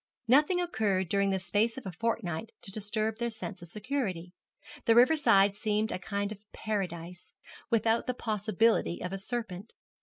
Nothing occurred during the space of a fortnight to disturb their sense of security. The river side seemed a kind of Paradise, without the possibility of a serpent.